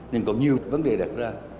nhưng còn nhiều vấn đề đặt ra